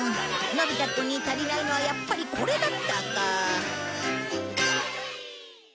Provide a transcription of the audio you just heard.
のび太くんに足りないのはやっぱりこれだったか。